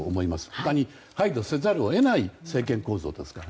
他に配慮せざるを得ない政権構造ですから。